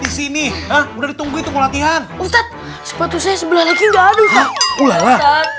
di sini nah udah ditunggu itu latihan ustadz sepatu saya sebelah lagi enggak ada